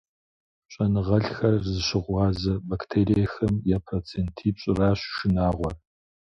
Щӏэныгъэлӏхэр зыщыгъуазэ бактериехэм я процентипщӏыращ шынагъуэр.